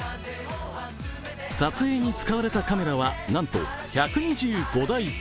撮影に使われたカメラは何と１２５台。